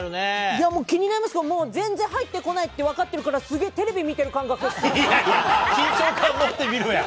いやもう気になりますが、もう全然入ってこないって分かってるから、すげえテレビ見てる感いやいやいや。